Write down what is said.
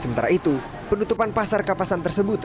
sementara itu penutupan pasar kapasan tersebut